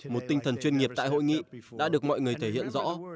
một tinh thần chuyên nghiệp tại hội nghị đã được mọi người thể hiện rõ